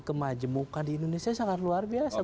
kemajemukan di indonesia sangat luar biasa